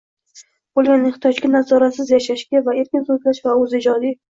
bo‘lgan ehtiyojiga, nazoratsiz yashashiga, erkin so‘zlash va o‘z ijodiy